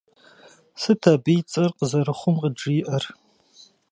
Сыт абы и цӀэр къызэрыхъум къыджиӀэр?